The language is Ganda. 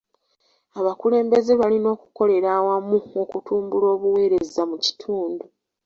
Abakulembeze balina okukolera awamu okutumbula obuweereza mu kitundu.